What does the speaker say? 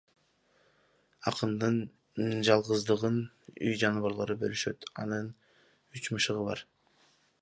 Акындын жалгыздыгын үй жаныбарлары бөлүшөт — анын үч мышыгы бар.